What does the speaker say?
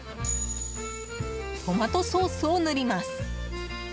トマトソースを塗ります。